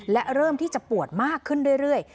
และเริ่มที่จะปวดมากขึ้นเรื่อย